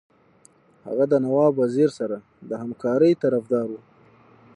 هغه د نواب وزیر سره د همکارۍ طرفدار وو.